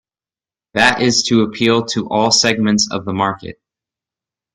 That is to appeal to all segments of the market.